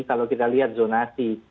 kalau kita lihat zonasi